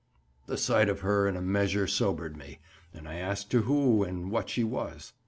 "The sight of her in a measure sobered me, and I asked her who and what she was.